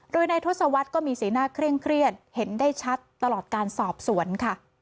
โดยนายทศวรรษก็มีสีหน้าเคร่งเครียดเห็นได้ชัดตลอดการสอบสวนค่ะ